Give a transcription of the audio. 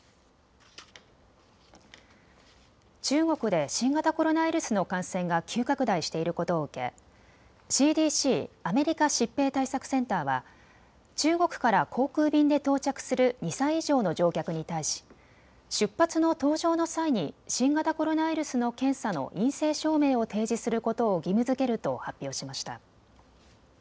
中国で新型コロナウイルスの感染が急拡大していることを受けＣＤＣ・アメリカ疾病対策センターは中国から航空便で到着する２歳以上の乗客に対し出発の搭乗の際に新型コロナウイルスの検査の陰性証明を提示することを義務づけると発表しました。